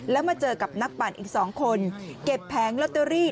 แล้วมาเจอกับนักปั่นอีก๒คนเก็บแผงลอตเตอรี่